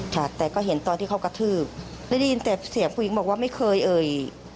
ค่ะแต่ก็เห็นตอนที่เขากระทืบได้ยินแต่เสียงผู้หญิงบอกว่าไม่เคยเอ่ย